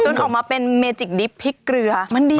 จนออกมาเป็นเมจิปล์พริกเกลือมาดี